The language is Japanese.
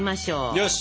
よし！